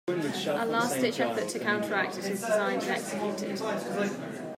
A last-ditch effort to counteract it is designed and executed.